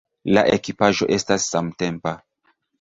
La ekipaĵo estas samtempa.